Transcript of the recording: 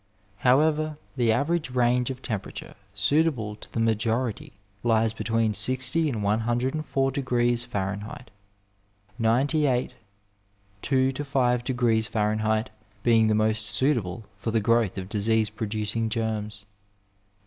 However, the average range of temperature suitable to the majority lies between 60 and 104 degrees Fahrenheit, 98 2 6 degrees Fahrenheit being the most suitable for the growth of disease producing germs.